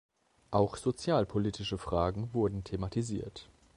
Auch sozialpolitische Fragen wurden thematisiert.